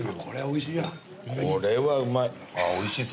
これはうまい。